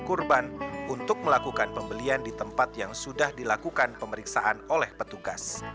korban untuk melakukan pembelian di tempat yang sudah dilakukan pemeriksaan oleh petugas